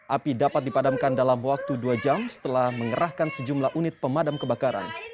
api dapat dipadamkan dalam waktu dua jam setelah mengerahkan sejumlah unit pemadam kebakaran